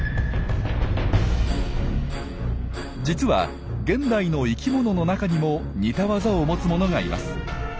実は現代の生きものの中にも似たワザを持つものがいます。